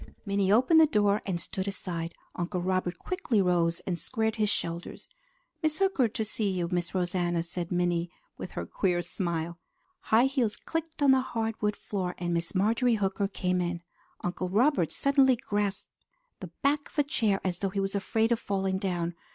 Minnie opened the door and stood aside. Uncle Robert quickly rose, and squared his shoulders. "Miss Hooker to see you, Miss Rosanna," said Minnie with her queer smile. High heels clicked on the hardwood floor, and Miss Marjorie Hooker came in. Uncle Robert suddenly grasped the back of a chair as though he was afraid of falling down.